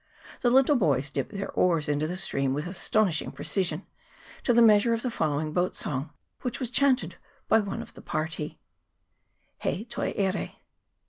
The little boys dipped their oars into the stream with astonishing precision, to the measure of the following boat song, which was chanted by one of the party : HE TOIERE.